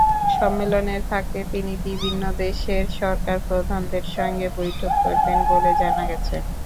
সম্মেলনের ফাঁকে তিনি বিভিন্ন দেশের সরকারপ্রধানদের সঙ্গে বৈঠক করবেন বলে জানা গেছে।